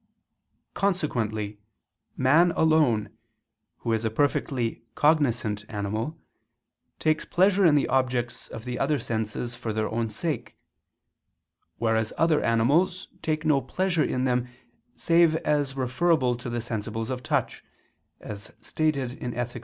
Consequently man alone, who is a perfectly cognizant animal, takes pleasure in the objects of the other senses for their own sake; whereas other animals take no pleasure in them save as referable to the sensibles of touch, as stated in _Ethic.